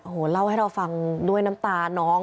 โอ้โหเล่าให้เราฟังด้วยน้ำตาน้อง